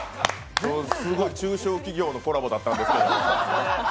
中小企業のコラボだったんですけども。